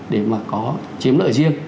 để mà có chiếm lợi riêng